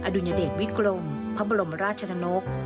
ดุญเดชวิกรมพระบรมราชนก